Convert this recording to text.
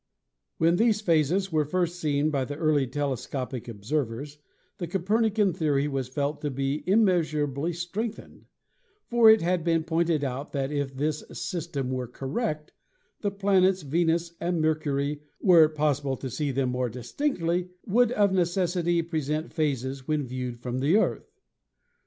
When these phases were first seen by the early telescopic observers, the Copernican theory was felt to be immeasurably strengthened; for it had been pointed out that if this sys tem were correct, the planets Venus and Mercury, were it possible to see them more distinctly, would of ne cessity present phases when viewed from the Earth.